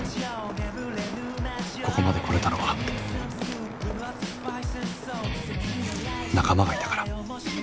ここまで来れたのは仲間がいたから